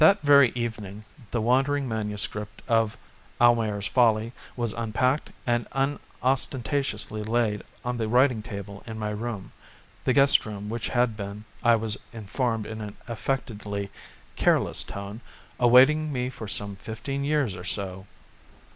That very evening the wandering MS. of "Almayer's Folly" was unpacked and unostentatiously laid on the writing table in my room, the guest room which had been, I was informed in an affectedly careless tone, awaiting me for some fifteen years or so.